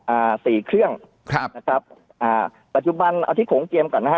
อ่าสี่เครื่องครับนะครับอ่าปัจจุบันเอาที่โขงเจียมก่อนนะฮะ